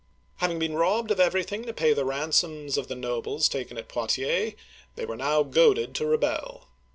Having been robbed of everything to pay the ransoms of the nobles taken at Poitiers, they were now goaded to rebel.